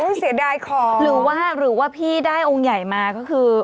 อุ้ยเสียดายของหรือว่าพี่ได้องค์ใหญ่มาก็คือ